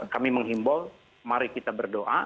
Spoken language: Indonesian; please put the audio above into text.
kami menghimbau mari kita berdoa